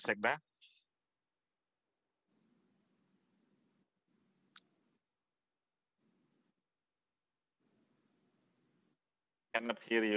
saya tidak bisa mendengar anda